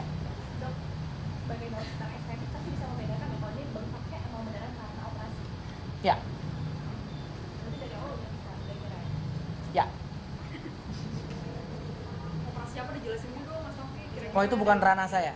dok sebagai pemerintah saya bisa membedakan membanding bengkaknya sama beneran saat operasi